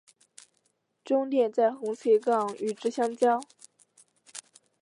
终点在红旗岗与相交。